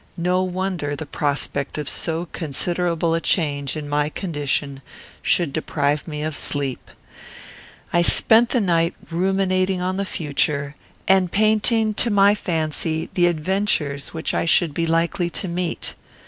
No wonder the prospect of so considerable a change in my condition should deprive me of sleep. I spent the night ruminating on the future, and in painting to my fancy the adventures which I should be likely to meet.